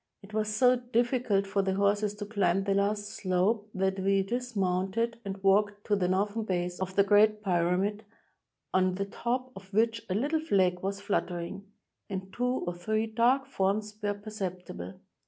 It was so difficult for the horses to climb the last slope that we dismounted and walked to the northern base of the Great Pyramid, on the top of which a httle flag was fluttering, and two or three dark forms were perceptible.